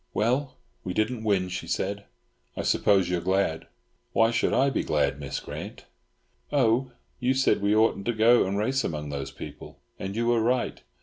"Well, we didn't win," she said. "I suppose you are glad." "Why should I be glad, Miss Grant?" "Oh! you said we oughn't to go and race among those people. And you were right.